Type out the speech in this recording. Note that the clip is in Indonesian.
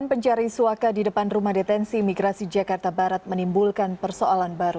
pencari suaka di depan rumah detensi imigrasi jakarta barat menimbulkan persoalan baru